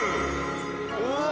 うわ。